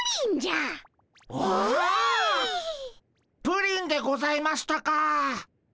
プリンでございましたかっ。